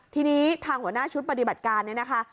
ทีนี้ทางหัวหน้าชุดปฏิบัติการเนี่ยนะคะ